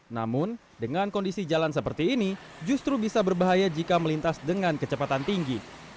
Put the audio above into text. namun dengan kondisi jalan seperti ini justru bisa berbahaya jika melintas dengan kecepatan tinggi